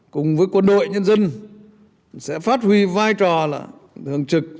cùng với quân đội nhân dân sẽ phát huy vai trò là thường trực